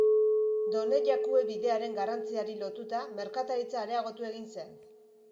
Donejakue bidearen garrantziari lotuta, merkataritza areagotu egin zen.